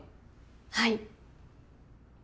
はい。